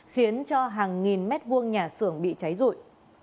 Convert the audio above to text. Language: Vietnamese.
khiến cho hàng nghìn mét vuông nhà xưởng bị cháy rụi